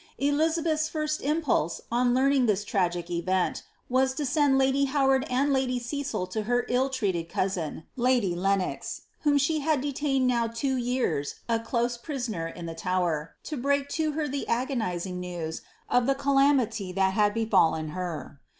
Elizabeth^ first impulse, on learning this tragic event, was to send lady Ilowaid and lady Cecil to her ill trested cousin, lady Lenox,'Whom she had de ' (ained now two years a close prixoner in the Tower, to break lo her the agonizing news of the calamity that had befallen her.